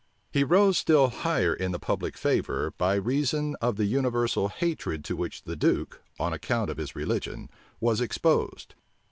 He rose still higher in the public favor, by reason of the universal hatred to which the duke, on account of his religion, was exposed.